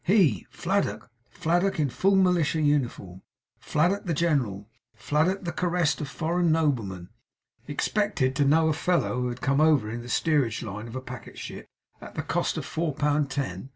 He, Fladdock Fladdock in full militia uniform, Fladdock the General, Fladdock, the caressed of foreign noblemen expected to know a fellow who had come over in the steerage of line of packet ship, at the cost of four pound ten!